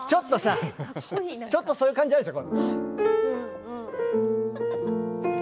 ちょっとそういう感じでしょう？